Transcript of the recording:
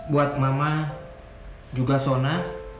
buat mama juga sona